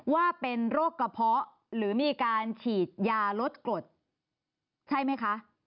ว่าเป็นโรคกระเพาะหรือมีการฉีดยาลดกรดใช่ไหมคะ